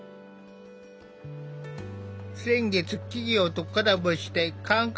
先月企業とコラボして感覚